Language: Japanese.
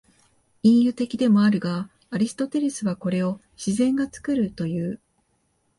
隠喩的でもあるが、アリストテレスはこれを「自然が作る」という。